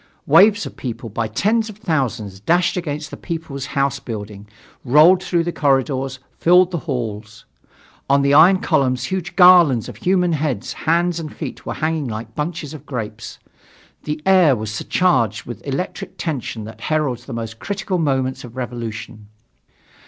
Waves of people by tens of thousands dashed against the People's House building, rolled through the corridors, filled the halls. On the iron columns huge garlands of human heads, feet and hands were hanging like bunches of grapes. The air was surcharged with the electric tension that heralds the most critical moments of revolution.